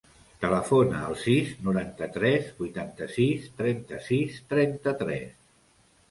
Telefona al sis, noranta-tres, vuitanta-sis, trenta-sis, trenta-tres.